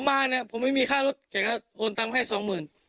มาเนี่ยผมไม่มีค่ารถแกก็โอนตังค์ให้สองหมื่น